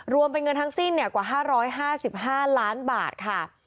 รวมเป็นเงินทั้งสิ้นกว่า๕๕ล้านบาทค่ะ